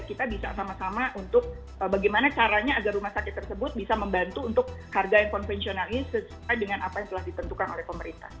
kita bisa sama sama untuk bagaimana caranya agar rumah sakit tersebut bisa membantu untuk harga yang konvensional ini sesuai dengan apa yang telah ditentukan oleh pemerintah